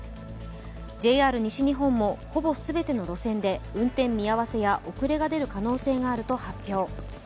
ＪＲ西日本もほぼ全ての路線で運転見合わせや遅れが出る可能性があると発表。